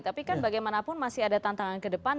tapi kan bagaimanapun masih ada tantangan ke depan